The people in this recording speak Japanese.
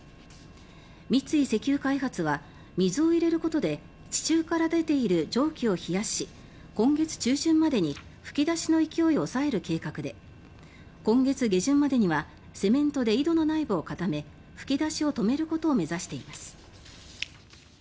三井石油開発は水を入れることで地中から出ている蒸気を冷やし今月中旬までに噴き出しの勢いを抑える計画で今月下旬までにはセメントで井戸の内部を固め噴き出しを止めることを目指しています。